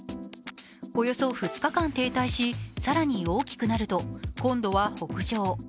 およそ２日間停滞し、更に大きくなると今度は北上。